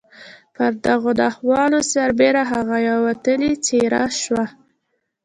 پر دغو ناخوالو سربېره هغه یوه وتلې څېره شوه